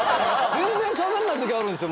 全然しゃべんない時あるんですよ